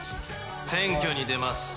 選挙に出ます。